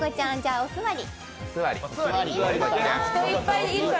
おすわり。